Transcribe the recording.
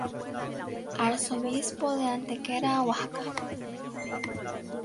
Arzobispo de Antequera-Oaxaca.